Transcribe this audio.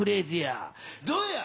どうや。